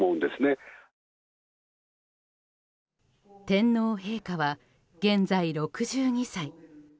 天皇陛下は現在６２歳。